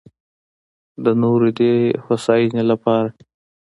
د نورو دې هوساينۍ لپاره